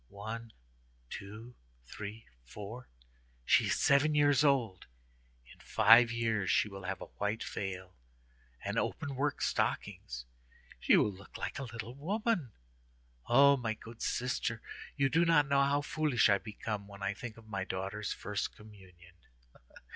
"One, two, three, four—she is seven years old. In five years she will have a white veil, and openwork stockings; she will look like a little woman. O my good sister, you do not know how foolish I become when I think of my daughter's first communion!"